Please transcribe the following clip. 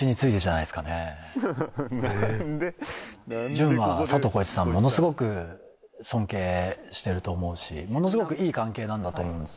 潤は佐藤浩市さん何でここでものすごく尊敬してると思うしものすごくいい関係なんだと思うんです